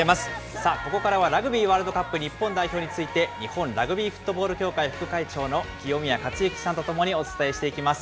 さあ、ここからは、ラグビーワールドカップ日本代表について、日本ラグビーフットボール協会副会長の清宮克幸さんとお伝えしていきます。